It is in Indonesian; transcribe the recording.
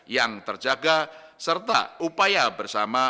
yang terjaga serta upaya bersama